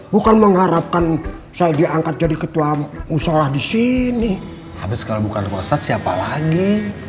bukan mengharapkan saya diangkat jadi ketua musola di sini habis kalau bukan wastad siapa lagi